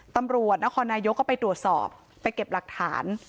ตำรวจนครนายกก็ไปตรวจสอบไปเก็บหลักฐาน